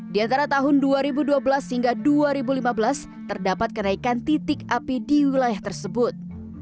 di antara tahun dua ribu dua belas hingga dua ribu lima belas terdapat kenaikan titik api di wilayah tersebut